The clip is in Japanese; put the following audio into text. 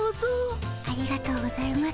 ありがとうございます